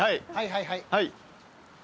はいはいはい。